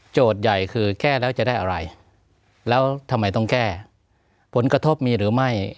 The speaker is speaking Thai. ใหญ่คือแก้แล้วจะได้อะไรแล้วทำไมต้องแก้ผลกระทบมีหรือไม่